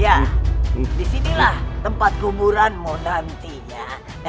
ya disinilah tempat kuburanmu nantinya